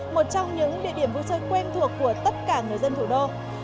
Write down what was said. một trong những địa điểm vui chơi quen thuộc của tất cả người dân thủ đô